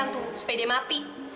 lagian tuh supaya dia mati